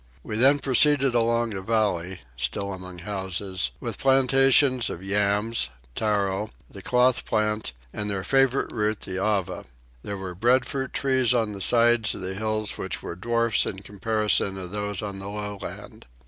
We then proceeded along a valley, still among houses, with plantations of yams, tarro, the cloth plant, and their favourite root the Ava: there were breadfruit trees on the sides of the hills which were dwarfs in comparison of those on the low land.